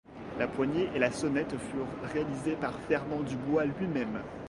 La poignée et la sonnette furent réalisées par Fernand Dubois lui-même.